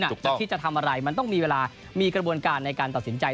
จะคิดจะทำอะไรมันต้องมีเวลามีกระบวนการในการตัดสินใจ